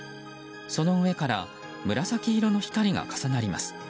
その上から紫色の光が重なります。